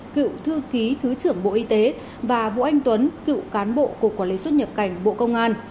cựu thư ký thứ trưởng bộ y tế và vũ anh tuấn cựu cán bộ cục quản lý xuất nhập cảnh bộ công an